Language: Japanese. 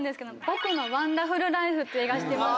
『僕のワンダフル・ライフ』っていう映画。